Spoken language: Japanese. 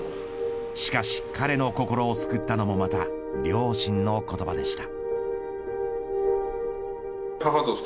しかし彼の心を救ったのもまた両親の言葉でした。